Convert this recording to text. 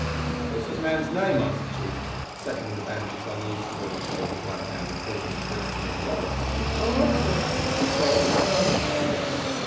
"What's this man's name!" asked the chief, settling the bandages uneasily on his head with one hand, and pointing to Brixton with the other. "M Muster T T Tom, sor."